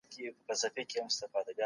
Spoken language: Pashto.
زه کولای شم دغه پیچلې موضوع تحلیل کړم.